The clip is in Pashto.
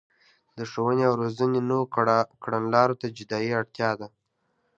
د ښوونې او روزنې نويو کړنلارو ته جدي اړتیا ده